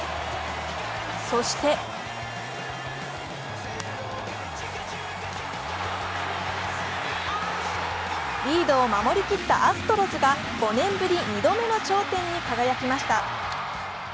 そして、リードを守り切ったアストロズが５年ぶり２度目の頂点に輝きました。